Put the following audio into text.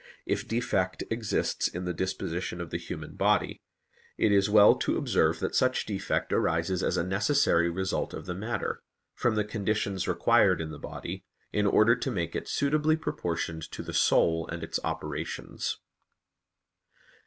If defect exists in the disposition of the human body, it is well to observe that such defect arises as a necessary result of the matter, from the conditions required in the body, in order to make it suitably proportioned to the soul and its operations.